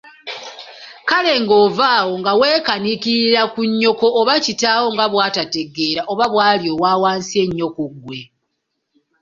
Kale ng'ova awo nga weekaniikiririra ku nnyoko oba kitaawo nga bwatategeera, oba bwali owa wansi ennyo ku ggwe?